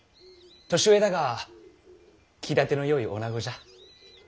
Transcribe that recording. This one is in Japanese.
年上だが気立てのよいおなごじゃ。